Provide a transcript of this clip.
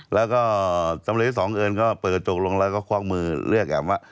แล้วก็จำนวนที่๒เอิญก็เปิดโจทย์ลงแล้วก็ควอกมือเลือกแอ๋มว่า